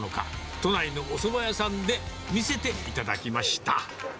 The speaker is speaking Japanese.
都内のおそば屋さんで見せていただきました。